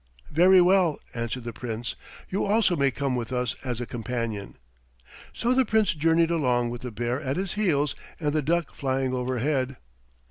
"Very well," answered the Prince. "You also may come with us as a companion." So the Prince journeyed along with the bear at his heels and the duck flying overhead.